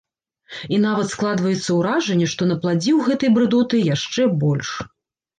І нават складваецца ўражанне, што напладзіў гэтай брыдоты яшчэ больш.